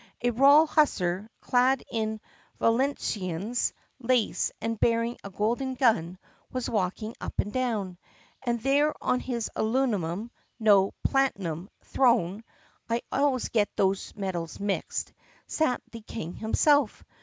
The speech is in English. A royal hussar, clad in Valenciennes lace and bearing a golden gun, was walking up and down. And there on his aluminum — no, platinum — throne (I always get those metals mixed) sat the King himself.